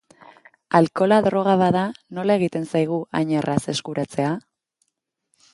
Alkohola droga bada, nola egiten zaigu hain erraz eskuratzea?